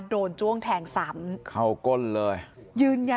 โดนจ้วงแทงสำเขากลเลย